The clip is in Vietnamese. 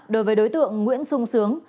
đối với đối tượng nguyễn xuân sướng